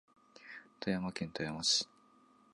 富山県富山市